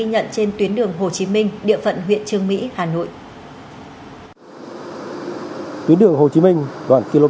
hồ chí minh đoạn kb bốn trăm hai mươi một sáu trăm linh